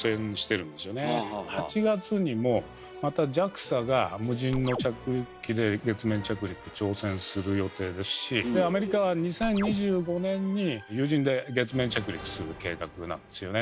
８月にもまたＪＡＸＡが無人の着陸機で月面着陸挑戦する予定ですしでアメリカは２０２５年に有人で月面着陸する計画なんですよね。